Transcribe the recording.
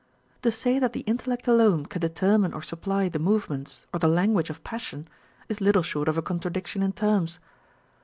To say that the intellect alone can deter mine or supply the movements or the language of passion, is little short of a contradiction in terms.